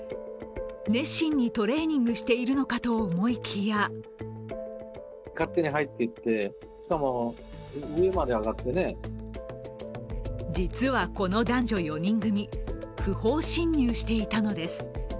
熱心にトレーニングしているのかと思いきや実はこの男女４人組、不法侵入していたのです。